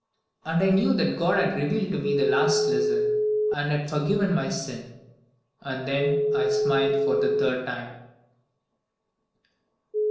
And I knew that God had revealed to me the last lesson, and had forgiven my sin. And then I smiled for the third time."